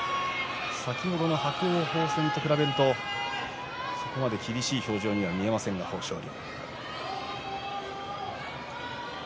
先ほどの伯桜鵬戦に比べるとそれ程厳しい表情には見えません豊昇龍。